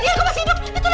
dia masih hidup